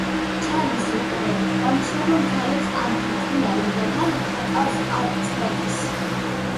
ჩარლის ვუყურებ. ვამჩნევ, რომ თვალებს აბრდღვიალებს და თან ხატვას არ წყვეტს.